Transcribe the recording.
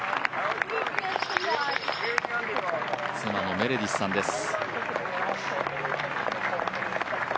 妻のメレディスさんです。